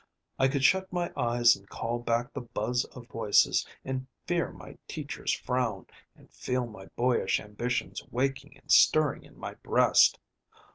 I could shut my eyes and call back the buzz of voices, and fear my teacher's frown, and feel my boyish ambitions waking and stirring in my breast.